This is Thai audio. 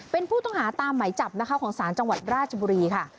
เป็นผู้ต้องหาตามไหมจับนะคะของศาลจังหวัดราชบุรีค่ะ